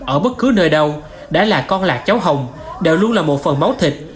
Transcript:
ở bất cứ nơi đâu đã là con lạc cháu hồng đều luôn là một phần máu thịt